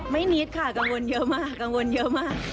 นิดค่ะกังวลเยอะมากกังวลเยอะมาก